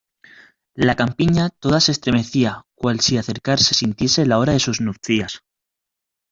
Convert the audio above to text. la campiña toda se estremecía cual si acercarse sintiese la hora de sus nupcias